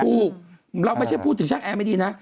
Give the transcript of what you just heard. เราไม่ใช่พูดถึงช่างแอร์ไม่ดีนะ